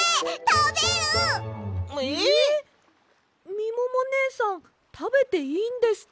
みももねえさんたべていいんですか？